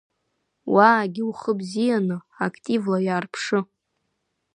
Уаагьы ухы бзианы, активла иаарԥшы.